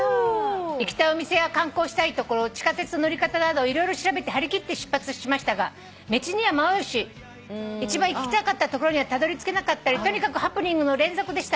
「行きたいお店や観光したい所地下鉄の乗り方など色々調べて張り切って出発しましたが道には迷うし一番行きたかった所にはたどり着けなかったりとにかくハプニングの連続でした」